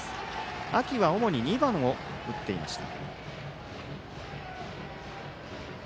秋は主に２番を打っていました。